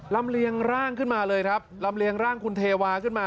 ลำเลียงร่างขึ้นมาเลยครับลำเลียงร่างคุณเทวาขึ้นมา